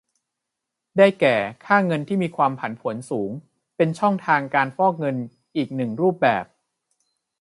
ได้แก่ ค่าเงินที่มีความผันผวนสูง เป็นช่องทางการฟอกเงินอีกหนึ่งรูปแบบ